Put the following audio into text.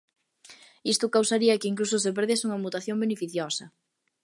Isto causaría que incluso se perdese unha mutación beneficiosa.